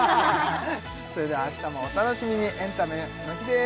それでは明日もお楽しみにエンタメの日です